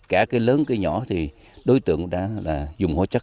cả cái lớn cây nhỏ thì đối tượng đã dùng hóa chất